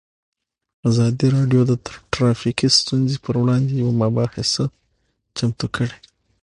ازادي راډیو د ټرافیکي ستونزې پر وړاندې یوه مباحثه چمتو کړې.